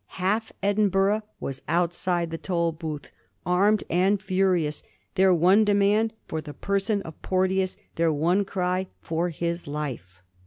Half Edinburgh was out side the Tolbooth, armed and furious, their one demand for the person of Porteous, their one cry for his life.